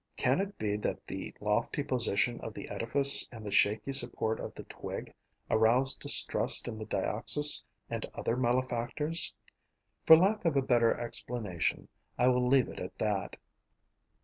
Can it be that the lofty position of the edifice and the shaky support of the twig arouse distrust in the Dioxys and other malefactors? For lack of a better explanation, I will leave it at that.